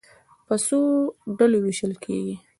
په څو ډلو وېشل کېږي.